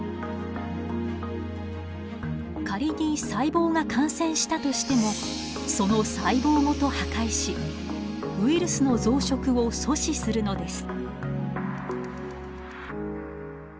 仮に細胞が感染したとしてもその細胞ごと破壊しウイルスの増殖を阻止するのです。